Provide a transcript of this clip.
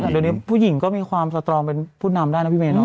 เดี๋ยวนี้ผู้หญิงก็มีความสตรองเป็นผู้นำได้นะพี่เมยเนอ